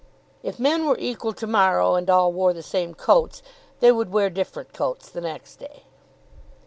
"If men were equal to morrow and all wore the same coats, they would wear different coats the next day."